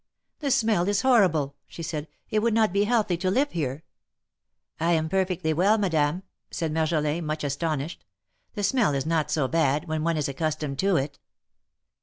" The smell is horrible," she said. " It would not be healthy to live here." "I am perfectly well, Madame," said Marjolin, much astonished. " The smell is not so bad, when one is accus tomed to it."